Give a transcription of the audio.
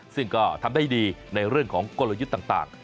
ซึ่งก็ทำได้ดีในเรื่องของกลยุทธ์ต่าง